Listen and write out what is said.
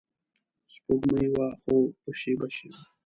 سپوږمۍ وه خو په شیبه شیبه